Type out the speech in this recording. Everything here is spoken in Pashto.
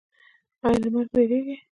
ایا له مرګ ویریږئ؟